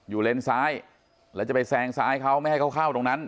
เลนซ้ายแล้วจะไปแซงซ้ายเขาไม่ให้เขาเข้าตรงนั้น